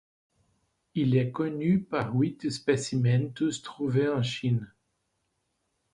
Il est connu par huit spécimens tous trouvés en Chine.